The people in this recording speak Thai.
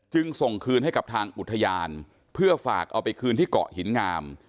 จึงส่งคืนให้กับทางอุทยานเพื่อฝากเอาไปคืนที่เกาะหินงาม